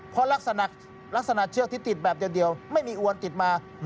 เพราะลักษณะเชือกที่ติดแบบอย่างเดียวไม่มีอวนติดมา